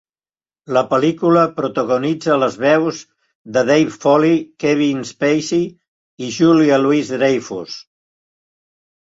La pel·lícula protagonitza les veus de Dave Foley, Kevin Spacey i Julia Louis-Dreyfus.